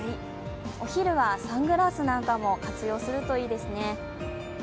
お昼はサングラスなんかも活用するといいですね。